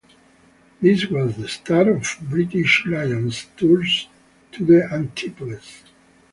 This was the start of British Lions tours to the Antipodes.